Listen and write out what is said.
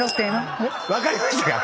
分かりましたから。